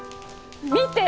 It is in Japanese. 見て！